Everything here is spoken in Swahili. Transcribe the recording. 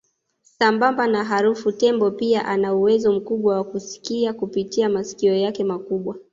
Sambamba na harufu tembo pia ana uwezo mkubwa wa kusikia kupitia masikio yake makubwa